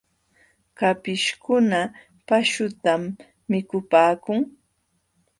Kapishkuna paśhuntam mikupaakun.